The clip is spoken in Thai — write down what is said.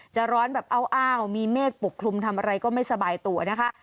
จะร้อนแบบอ้าวมีเมฆปกคลุมทำอะไรก็ไม่สบายตัวนะคะ